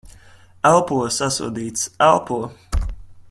Elpo. Sasodīts. Elpo!